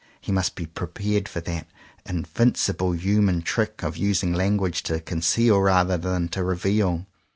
He must be prepared for that invincible human trick of using language to conceal rather than to reveal.